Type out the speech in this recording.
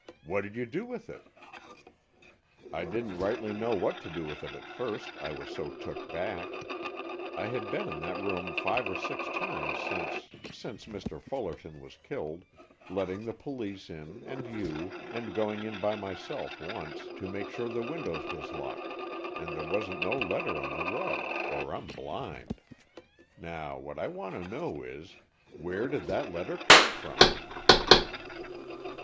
"What did you do with it?" "I didn't rightly know what to do with it at first, I was so took back. I had been in that room five or six times since since Mr. Fullerton was killed, letting the police in, and you, and going in by myself once to make sure the windows was locked, and there wasn't no letter on the rug, or I'm blind. Now, what I want to know is, _here did that letter come from?